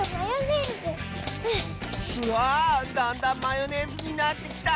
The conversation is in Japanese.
わあだんだんマヨネーズになってきた！